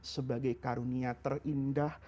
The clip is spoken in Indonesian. sebagai karunia terindah